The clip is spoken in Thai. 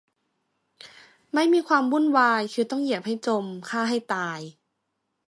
ไม่มีความวุ่นวาย คือต้องเหยียบให้จม ฆ่าให้ตาย